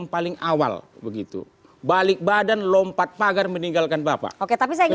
paling awal begitu balik badan lompat pagar meninggalkan bapak oke tapi saya ingin